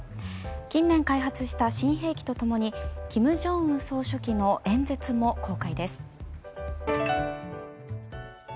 近年開発した新兵器と共に金正恩総書記の演説も公開です。